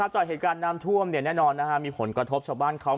จากเหตุการณ์น้ำท่วมแน่นอนมีผลกระทบชาวบ้านเขา